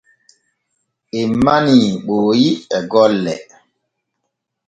En manii Ɓooyi e gollo.